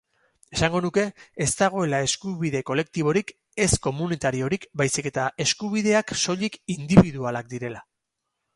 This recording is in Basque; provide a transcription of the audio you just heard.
Esango nuke ez dagoela eskubide kolektiborik, ez komunitariorik, baizik eta eskubideak soilik indibidualak direla.